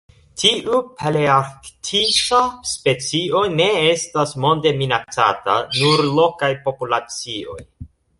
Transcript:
Tiu palearktisa specio ne estas monde minacata, nur lokaj populacioj.